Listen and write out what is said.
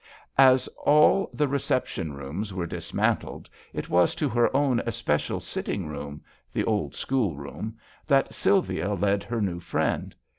As all the reception rooms were dismantled it was to her own especial sitting room — ^the old schoolroom — ^that Sylvia led her new friend.